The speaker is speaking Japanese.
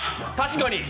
確かに！